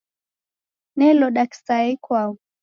Neloda kisaya ikwau